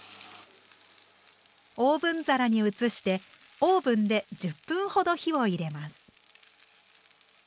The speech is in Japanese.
オーブン皿に移してオーブンで１０分ほど火を入れます。